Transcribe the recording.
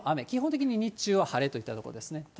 基本的に日中は晴れといったところですね。